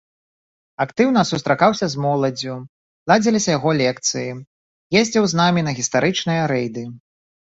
Актыўна сустракаўся з моладдзю, ладзіліся яго лекцыі, ездзіў з намі на гістарычныя рэйды.